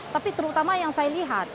tapi terutama yang saya lihat